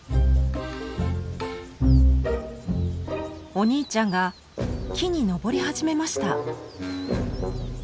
お兄ちゃんが木に登り始めました。